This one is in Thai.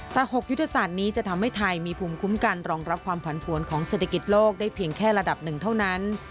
แต่๖ยุทธศาสตร์นี้จะทำให้ไทยมีภูมิคุ้มกันรองรับความผันผวนของเศรษฐกิจโลกได้เพียงแค่ระดับหนึ่งเท่านั้น